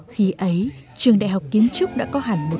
khi ấy trường đại học kiến trúc đã có hẳn một câu lạc